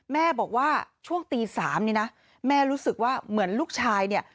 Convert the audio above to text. แม่บอกว่าช่วงตี๓นี่นะแม่รู้สึกว่าเหมือนลูกชายเนี่ย